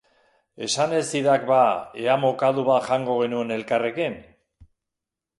Esan ez zidak ba ea mokadu bat jango genuen elkarrekin?